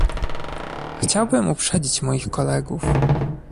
Chciałbym uprzedzić moich kolegów